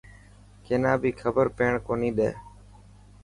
ڪينا بي خبر پيڻ ڪوني ڏي.